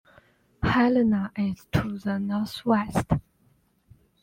Helena is to the northwest.